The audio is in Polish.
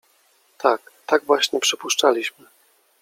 — Tak, tak właśnie przypuszczaliśmy.